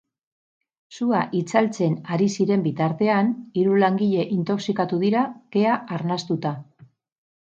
Sua itzaltzen ari ziren bitartean, hiru langile intoxikatu dira, kea arnastuta.